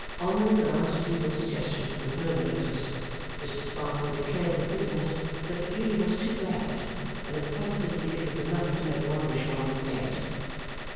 Honouring the last feeble suggestion with no notice, Mrs Sparkler declared with bitterness that it really was too bad, and that positively it was enough to make one wish one was dead!